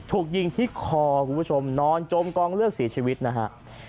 ถูกยิงที่คอคุณผู้ชมนอนจมกองเลือดเสียชีวิตนะฮะ